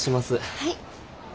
はい。